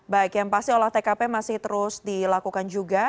baik yang pasti olah tkp masih terus dilakukan juga